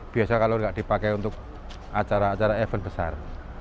biasa kalau tidak dipakai untuk acara acara event besar